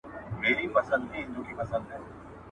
• دښمن که دي د لوخو پړى وي، هم ئې مار بوله.